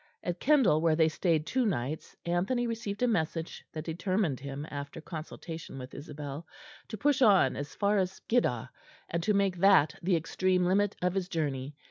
At Kendal, where they stayed two nights, Anthony received a message that determined him, after consultation with Isabel, to push on as far as Skiddaw, and to make that the extreme limit of his journey.